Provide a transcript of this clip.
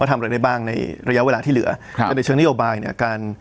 ทำอะไรได้บ้างในระยะเวลาที่เหลือครับแต่ในเชิงนโยบายเนี่ยการ